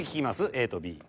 ＡとＢ。